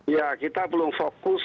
ya kita belum fokus